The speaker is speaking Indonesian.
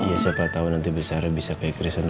ya siapa tau nanti besarnya bisa kayak kris aja dong ya